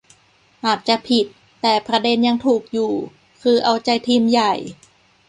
อาจจะผิด แต่ประเด็นยังถูกอยู่ คือเอาใจทีมใหญ่